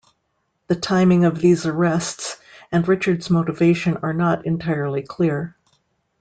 The timing of these arrests and Richard's motivation are not entirely clear.